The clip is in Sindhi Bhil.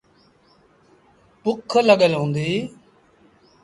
بُک لڳل هُݩديٚ۔